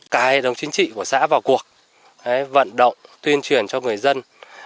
cái đồng chính trị của xã vào cuộc vận động tuyên truyền cho người dân